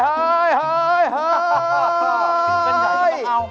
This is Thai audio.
ออะโอ๊ยเฮ่ย